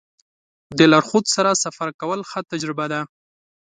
د لارښود سره سفر کول ښه تجربه ده.